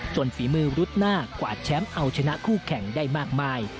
ฝีมือรุดหน้ากวาดแชมป์เอาชนะคู่แข่งได้มากมาย